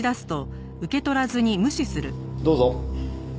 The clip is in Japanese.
どうぞ。